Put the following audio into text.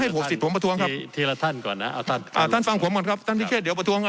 ผมยังนั่งฟังครับท่านท่าน